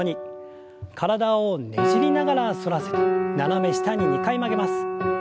体をねじりながら反らせて斜め下に２回曲げます。